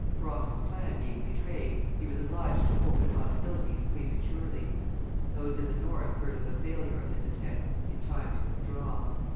Frost's plan being betrayed, he was obliged to open hostilities prematurely. Those in the North heard of the failure of his attempt in time to withdraw.